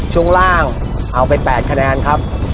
ช่วงล่างเอาไป๘คะแนนครับ